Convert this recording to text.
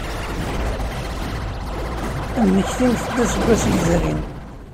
Mmektimt-d aseggas yezrin.